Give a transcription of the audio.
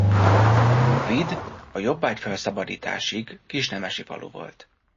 Vid a jobbágyfelszabadításig kisnemesi falu volt.